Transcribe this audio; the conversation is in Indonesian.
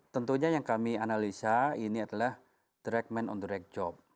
tentunya yang kami analisa ini adalah direct man on direct job